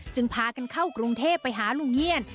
พากันเข้ากรุงเทพไปหาลุงเงี่ยน